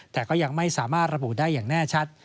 แต่ก็ยังไม่สามารถระบุได้อย่างแน่ชัด